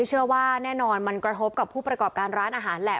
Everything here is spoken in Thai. เชื่อว่าแน่นอนมันกระทบกับผู้ประกอบการร้านอาหารแหละ